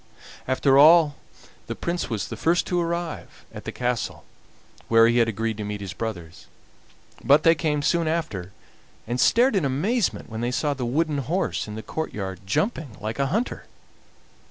After all the Prince was the first to arrive at the castle where he had agreed to meet his brothers, but they came soon after, and stared in amazement when they saw the wooden horse in the courtyard jumping like a hunter.